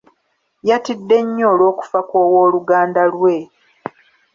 Yatidde nnyo olw'okufa kw'owooluganda lwe.